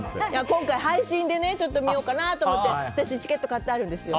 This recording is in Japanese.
今回、配信で見ようかなと思ってチケット買ってあるんですよ。